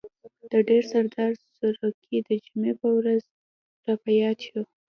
د ډر سردار سروکی د جمعې په ورځ را په ياد شو.